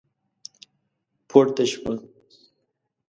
پورته شوه.